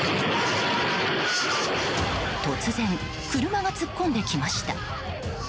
突然、車が突っ込んできました。